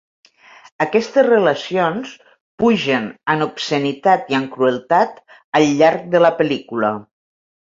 Aquestes relacions pugen en obscenitat i en crueltat al llarg de la pel·lícula.